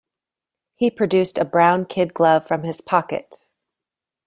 He produced a brown kid glove from his pocket.